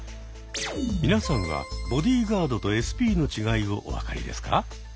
皆さんはボディーガードとＳＰの違いをお分かりですか？